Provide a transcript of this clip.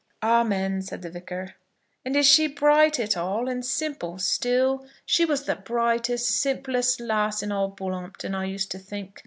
"Amen," said the Vicar. "And is she bright at all, and simple still? She was the brightest, simplest lass in all Bull'ompton, I used to think.